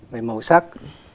về màu sắc